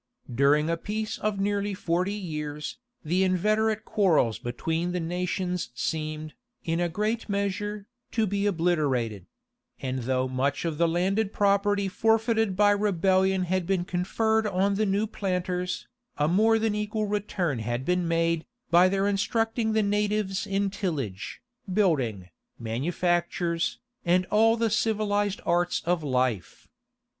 During a peace of near forty years, the inveterate quarrels between the nations seemed, in a great measure, to be obliterated; and though much of the landed property forfeited by rebellion had been conferred on the new planters, a more than equal return had been made, by their instructing the natives in tillage, building, manufactures, and all the civilized arts of life.